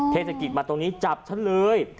เทศกิจมาตรงนี้จับฉันเลย